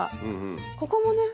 ここもね。